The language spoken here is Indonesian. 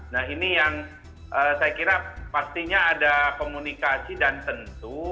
nah ini yang saya kira pastinya ada komunikasi dan tentu